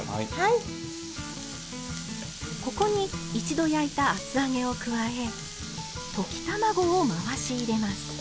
ここに一度焼いた厚揚げを加え溶き卵を回し入れます。